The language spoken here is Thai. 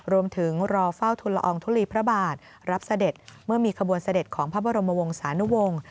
รอเฝ้าทุลอองทุลีพระบาทรับเสด็จเมื่อมีขบวนเสด็จของพระบรมวงศานุวงศ์